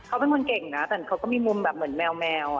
เขาเป็นคนเก่งนะแต่เขาก็มีมุมแบบเหมือนแมว